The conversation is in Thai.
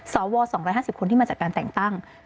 สว๒๕๐คนที่มาจากการแต่งตั้ง